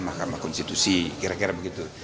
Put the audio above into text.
mahkamah konstitusi kira kira begitu